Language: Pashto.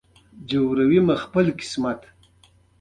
دا ورکه هغسې نه ده چې موندل یې ناممکن وي.